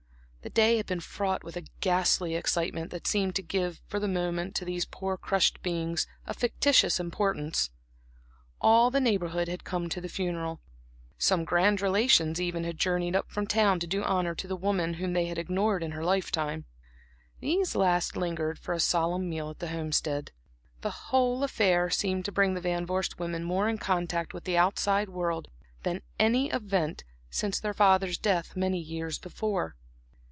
The day had been fraught with a ghastly excitement that seemed to give for the moment to these poor crushed beings a fictitious importance. All the Neighborhood had come to the funeral; some grand relations even had journeyed up from town to do honor to the woman whom they had ignored in her lifetime; these last lingered for a solemn meal at the Homestead. The whole affair seemed to bring the Van Vorst women more in contact with the outside world than any event since their father's death, many years before.